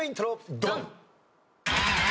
ドン！